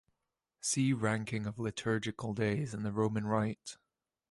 See Ranking of liturgical days in the Roman Rite.